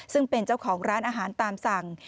ซึ่งเป็นเจ้าของร้านอาหารตามสั่ง